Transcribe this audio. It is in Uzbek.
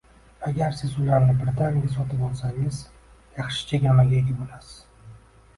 Agar siz ularni birdaniga sotib olsangiz, yaxshi chegirmaga ega bo'lasiz